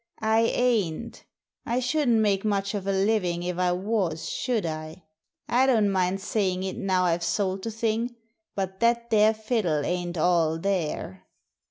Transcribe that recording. " I ain't I shouldn't make much of a living if I was, should I ? I don't mind saying it now I've sold the thing, but that there fiddle ain't all there."